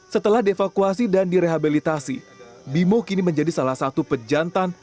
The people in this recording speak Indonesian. setelah dievakuasi dan direhabilitasi bimo kini menjadi salah satu pejantan